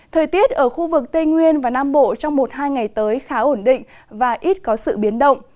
thời tiết ở khu vực tây nguyên và nam bộ trong một hai ngày tới khá ổn định và ít có sự biến động